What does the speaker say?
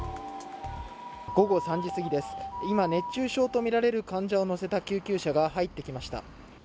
午後３時すぎです、今、熱中症とみられる患者を乗せた救急車が入ってきました。